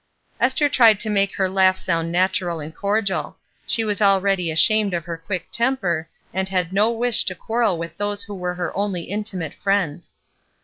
Esther tried to make her laugh sound natural and cordial. She was already ashamed of her quick temper, and had no wish to quarrel with these who were her only intimate friends.